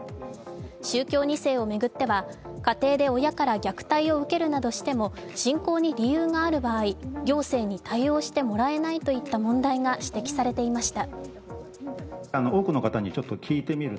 宗教２世を巡っては、家庭で親から虐待を受けるなどしても信仰に理由がある場合行政に対応してもらえないといった問題が指摘されていました。